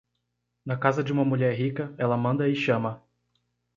Na casa de uma mulher rica, ela manda e chama.